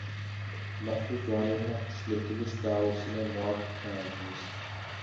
مەخسۇس زايومنىڭ ئىشلىتىلىش دائىرىسىنى مۇۋاپىق كېڭەيتىمىز.